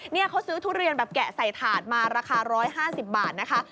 นี่เขาซื้อทุเรียนแบบแกะใส่ถาดมาราคา๑๕๐บาทนะคะ